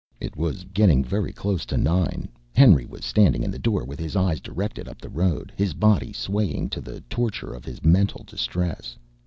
It was getting very close to nine. Henry was standing in the door with his eyes directed up the road, his body swaying to the torture of his mental distress.